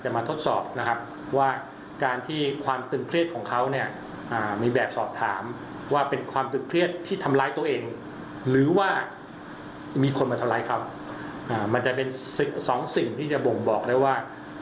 มันจะเป็น๒สิ่งที่จะบ่งบอกเลยว่า